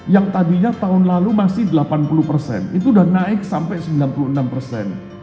yang tadinya tahun lalu masih delapan puluh persen itu sudah naik sampai sembilan puluh enam persen